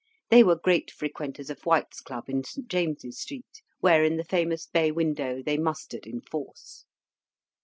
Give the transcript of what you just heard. They were great frequenters of White's Club, in St. James's Street, where, in the famous bay window, they mustered in force.